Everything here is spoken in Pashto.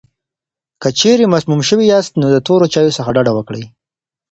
که چېرې مسموم شوي یاست، نو د تورو چایو څخه ډډه وکړئ.